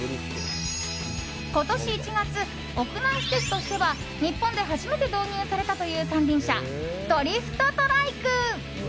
今年１月、屋内施設としては日本で初めて導入されたという三輪車、ドリフトトライク。